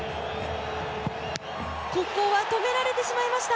ここは止められてしまいました。